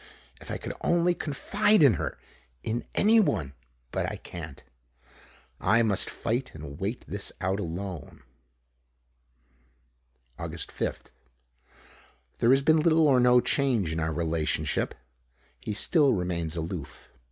If I could only confide in her! In anyone! But I can't. I must fight and wait this out alone. Aug. 5th. There has been little or no change in our relationship. He still remains aloof.